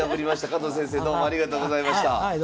加藤先生どうもありがとうございました。